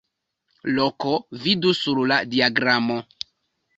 Loko: vidu sur la diagramo.